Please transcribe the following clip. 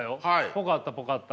ぽかったぽかった。